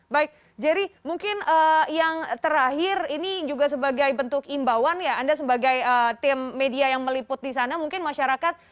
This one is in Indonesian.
baik jerry mungkin yang terakhir ini juga sebagai bentuk imbauan ya